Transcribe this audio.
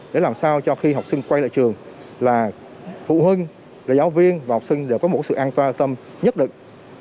để làm sao cho khi học sinh quay lại trường là phụ huynh giáo viên và học sinh đều có một sự an toàn an tâm nhất định